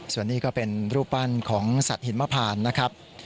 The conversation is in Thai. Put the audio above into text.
ส่วนนี้ก็เป็นรูปปั้นของสัตว์หิมพานนะครับ